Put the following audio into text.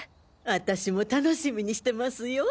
私も楽しみにしてますよ。